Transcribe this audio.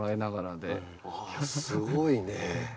すごいね。